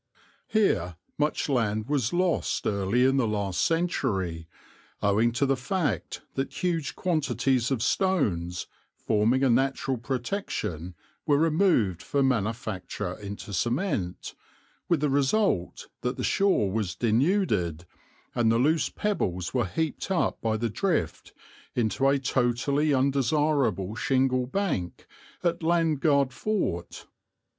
Here much land was lost early in the last century, owing to the fact that huge quantities of stones, forming a natural protection, were removed for manufacture into cement, with the result that the shore was denuded, and the loose pebbles were heaped up by the drift into a totally undesirable shingle bank at Landguard Fort.